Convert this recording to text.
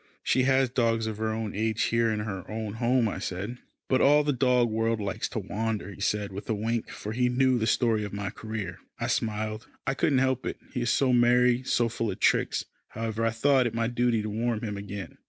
"She has dogs of her own age here in her own home," I said. "But all the dog world likes to wander," he said with a wink, for he knew the story of my career. I smiled. I couldn't help it. He is so merry, so full of tricks. However, I thought it my duty to warn him again.